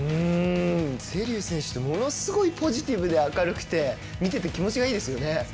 瀬立選手ってすごくポジティブで明るくて見ていて、気持ちがいいですよね。